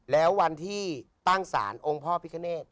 แล้ววันที่ตั้งศาลองค์พ่อพิคเนต